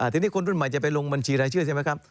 ทีนี้คนรุ่นใหม่จะไปลงบัญชีรายชื่อใช่ไหมครับ